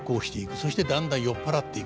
そしてだんだん酔っ払っていく。